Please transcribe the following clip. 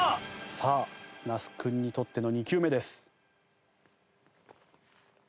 さあ那須君にとっての２球目です。